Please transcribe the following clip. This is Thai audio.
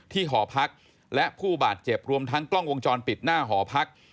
หอพักและผู้บาดเจ็บรวมทั้งกล้องวงจรปิดหน้าหอพัก